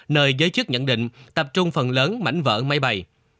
nơi giới chức nhận định tập trung phần lớn mảnh vỡ máy bay